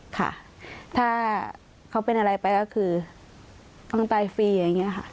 ค่ะถ้าเขาเป็นอะไรไปก็คือต้องตายฟรีอย่างนี้ค่ะ